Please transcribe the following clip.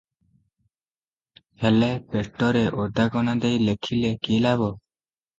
ହେଲେ ପେଟରେ ଓଦାକନା ଦେଇ ଲେଖିଲେ କି ଲାଭ?